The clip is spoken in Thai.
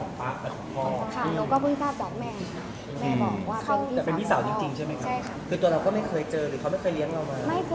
สงสารที่ดีที่สุดก็คือพ่อและหนู